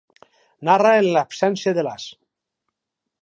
Narra en l'absència de l'as.